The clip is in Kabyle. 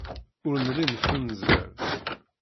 Ur nelli neffunzer.